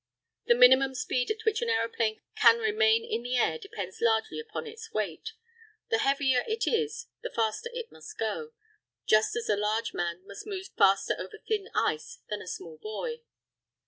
The minimum speed at which an aeroplane can remain in the air depends largely upon its weight. The heavier it is, the faster it must go just as a large man must move faster over thin ice than a small boy.